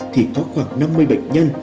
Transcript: thì có khoảng năm mươi bệnh nhân